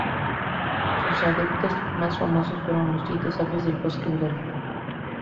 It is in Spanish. Sus adeptos más famosos fueron los siete sabios del bosque de bambú.